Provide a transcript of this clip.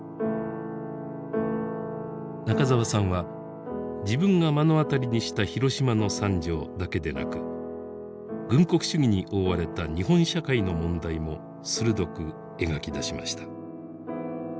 中沢さんは自分が目の当たりにした広島の惨状だけでなく軍国主義に覆われた日本社会の問題も鋭く描き出しました。